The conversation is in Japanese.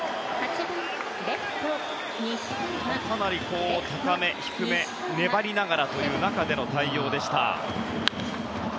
かなり高め、低め粘りながらの中という対応でした。